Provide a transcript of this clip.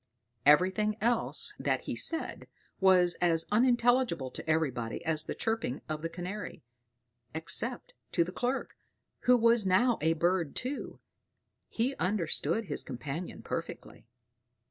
Everything else that he said was as unintelligible to everybody as the chirping of the Canary, except to the clerk, who was now a bird too: he understood his companion perfectly.